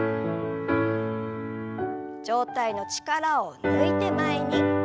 上体の力を抜いて前に。